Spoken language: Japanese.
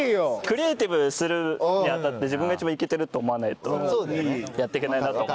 クリエーティブするに当たって自分が一番イケてると思わないとやってけないなと。